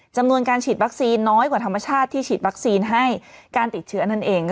จำนวนการฉีดวัคซีนน้อยกว่าธรรมชาติที่ฉีดวัคซีนให้การติดเชื้อนั่นเอง